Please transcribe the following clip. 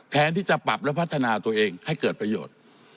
แทนที่จะปรับและพัฒนาตัวเองให้เกิดประโยชน์